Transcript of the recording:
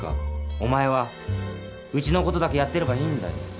お前はウチのことだけやってればいいんだよ。